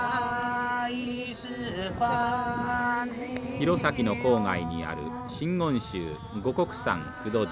弘前の郊外にある真言宗護國山久渡寺。